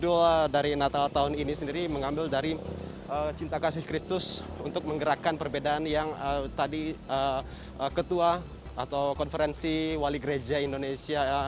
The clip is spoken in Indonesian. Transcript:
doa dari natal tahun ini sendiri mengambil dari cinta kasih kristus untuk menggerakkan perbedaan yang tadi ketua atau konferensi wali gereja indonesia